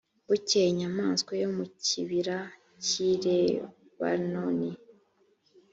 bukeye inyamaswa yo mu kibira cy i lebanoni